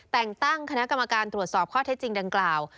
แต่งตั้งคณะกรรมการตรวจสอบข้อเท็จจริงดังกล่าว